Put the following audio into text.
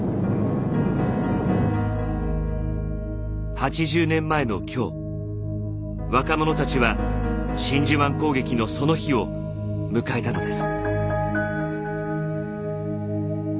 ８０年前の今日若者たちは真珠湾攻撃のその日を迎えたのです。